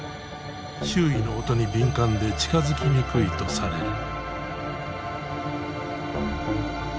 周囲の音に敏感で近づきにくいとされる。